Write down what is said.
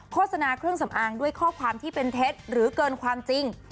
โฆษณาเครื่องสำอางด้วยข้อความที่เป็นเท็จหรือเกินความจริง